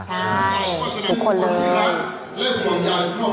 ใช่ทุกคนเลย